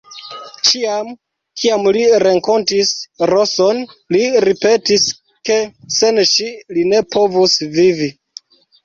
Ĉiam, kiam li renkontis Roson, li ripetis, ke sen ŝi li ne povus vivi.